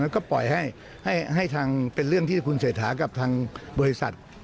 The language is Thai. แล้วก็ปล่อยให้ทางเป็นเรื่องที่คุณเศรษฐากับทางบริษัท